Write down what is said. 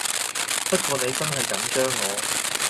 不過你真係緊張我